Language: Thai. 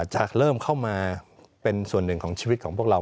จะเริ่มเข้ามาเป็นส่วนหนึ่งของชีวิตของพวกเรา